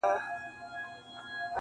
ځناورو هري خوا ته كړلې منډي-